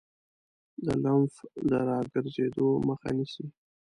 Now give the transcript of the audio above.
د لمف د راګرځیدو مخه نیسي.